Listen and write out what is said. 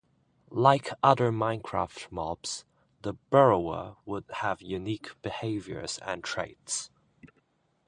Like other Minecraft mobs, the Burrower would have unique behaviors and traits.